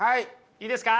いいですか？